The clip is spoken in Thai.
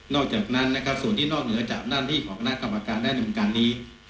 นอกจากนั้นส่วนที่นอกเหนือจากหน้าที่ของคณะกรรมการในอำนาจหน้านี้